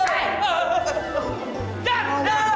jangan jangan jangan